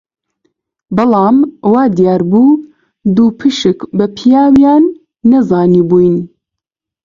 بەڵام وا دیار بوو دووپشک بە پیاویان نەزانیبووین